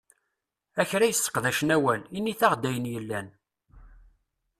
A kra yesseqdacen awal, init-aɣ-d ayen yellan!